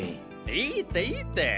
いいっていいって！